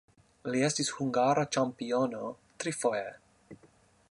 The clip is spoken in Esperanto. Li estis hungara ĉampiono trifoje.